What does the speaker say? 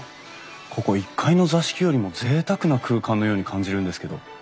ここ１階の座敷よりもぜいたくな空間のように感じるんですけど。